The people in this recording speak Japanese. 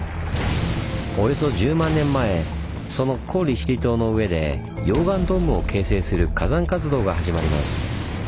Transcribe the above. およそ１０万年前その古利尻島の上で溶岩ドームを形成する火山活動が始まります。